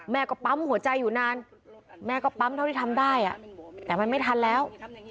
แม่ก็ปั๊มหัวใจอยู่นานแม่ก็ปั๊มเท่าที่ทำได้แต่มันไม่ทันแล้ว